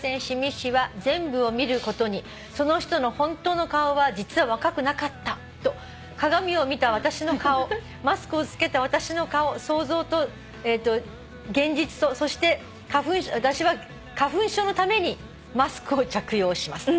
全部を見ることにその人のホントの顔は実は若くなかったと鏡を見た私の顔」「マスクを着けた私の顔想像と現実とそして私は花粉症のためにマスクを着用します」